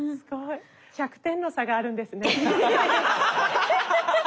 １００点の差があるんですね。